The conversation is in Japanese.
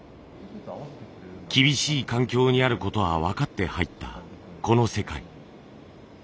厳しい環境にあることは分かって入ったこの世界。